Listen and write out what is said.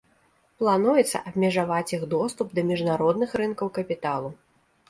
Плануецца абмежаваць іх доступ да міжнародных рынкаў капіталу.